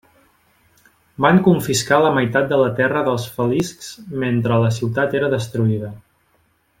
Van confiscar la meitat de la terra dels faliscs mentre la ciutat era destruïda.